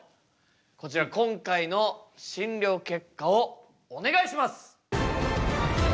こちら今回の診りょう結果をお願いします！